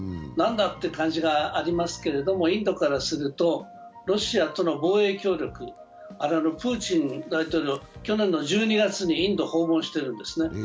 何だという感じがありますけれどもインドからするとロシアとの防衛協力、プーチン大統領、去年の１２月にインドを訪問しているんですね。